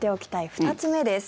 ２つ目です。